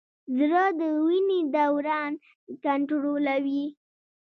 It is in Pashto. زړه د وینې دوران کنټرولوي.